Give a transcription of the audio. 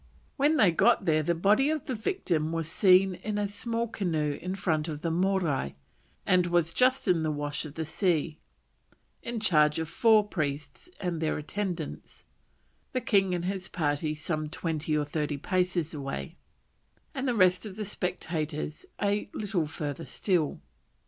When they got there the body of the victim was seen in a small canoe in front of the Morai and just in the wash of the sea, in charge of four priests and their attendants, the king and his party some twenty or thirty paces away, and the rest of the spectators a little further still.